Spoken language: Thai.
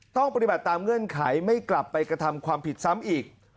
ต้องปฏิบัติตามเงื่อนไขไม่กลับไปกระทำความผิดซ้ำอีก